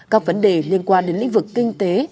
các vấn đề liên quan đến lĩnh vực kinh tế